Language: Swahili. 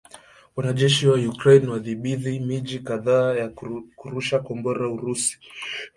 Wanajeshi wa Ukraine wadhibithi miji kadhaa na kurusha Kombora Urusi